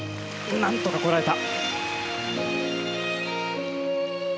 何とかこらえた。